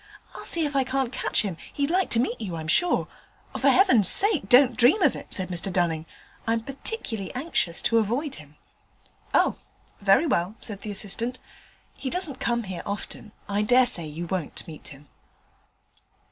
I'll see if I can't catch him: he'd like to meet you, I'm sure.' 'For heaven's sake don't dream of it!' said Mr Dunning, 'I'm particularly anxious to avoid him.' 'Oh! very well,' said the assistant, 'he doesn't come here often: I dare say you won't meet him.'